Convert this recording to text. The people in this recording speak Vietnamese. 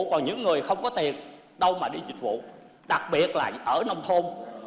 còn những người không có tiền đâu mà đi dịch vụ đặc biệt là ở nông thôn